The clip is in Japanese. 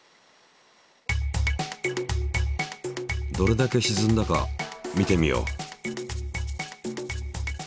どれだけしずんだか見てみよう。